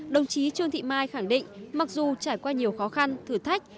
đồng chí trương thị mai khẳng định mặc dù trải qua nhiều khó khăn thử thách